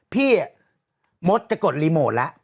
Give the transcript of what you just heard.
พี่มดจะกดรีโมทแล้ว